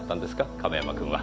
亀山君は。